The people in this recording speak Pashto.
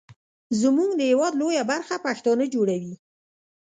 زمونږ د هیواد لویه برخه پښتانه جوړوي.